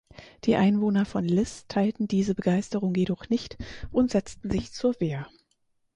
Die Einwohner von Liss teilten diese Begeisterung jedoch nicht und setzten sich zur Wehr.